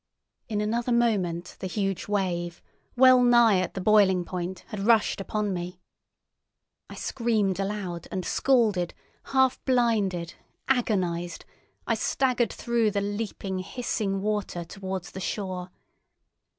In another moment the huge wave, well nigh at the boiling point had rushed upon me. I screamed aloud, and scalded, half blinded, agonised, I staggered through the leaping, hissing water towards the shore.